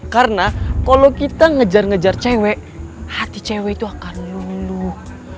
karena kalo kita ngejar ngejar cewek hati cewek itu akan luluh